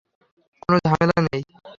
কোনো ঝামেলা নেই।